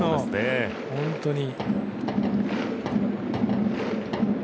本当に。